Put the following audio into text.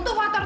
tuh water tuh